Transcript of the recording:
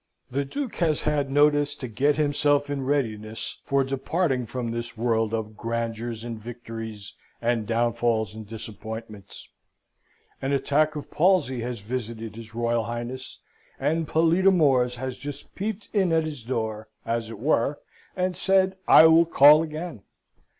"The Duke has had notice to get himself in readiness for departing from this world of grandeurs and victories, and downfalls and disappointments. An attack of palsy has visited his Royal Highness; and pallida mors has just peeped in at his door, as it were, and said, 'I will call again.'